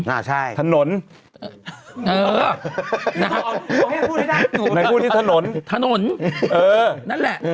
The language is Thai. อ่าใช่ถนนเออนะฮะถนนนั้นแหละ